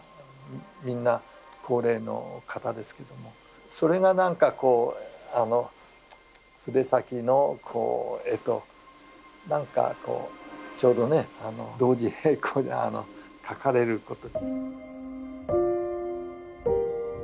みんな高齢の方ですけどもそれがなんかこう筆先の絵となんかこうちょうどね同時並行で描かれること。